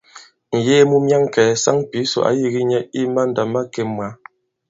Ŋ̀yee mu myaŋkɛ̄ɛ̄, saŋ Pǐsò ǎ yīgī nyɛ i mandàmakè mwǎ.